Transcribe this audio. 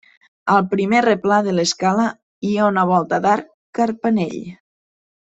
Al primer replà de l'escala hi ha una volta d'arc carpanell.